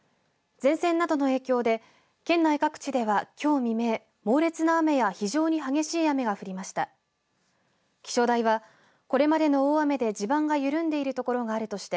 前線などの影響で県内各地ではきょう未明、猛烈な雨や非常に激しい雨が降りました。